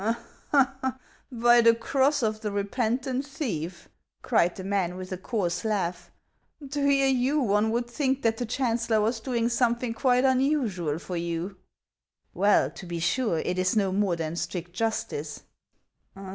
•; By the cross of the repentant thief," cried the man, 510 HANS OF ICELAND. with a coarse laugh, " to hear you, one would think that the chancellor was doing something quite unusual for you !"" Well, to be sure, it is no more than strict justice."